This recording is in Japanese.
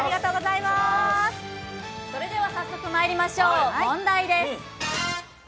それでは早速まいりましょう、問題です。